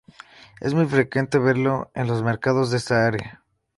Es muy frecuente verlo en los mercados de esta área.